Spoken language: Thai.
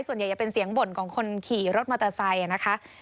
ส่วนใหญ่จะเป็นเสียงบ่นของคนขี่รถมอเตอร์ไซค์นะคะ